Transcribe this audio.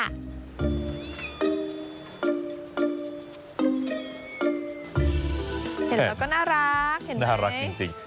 เห็นแล้วก็น่ารักเห็นน่ารักจริง